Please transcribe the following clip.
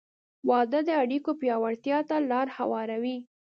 • واده د اړیکو پیاوړتیا ته لار هواروي.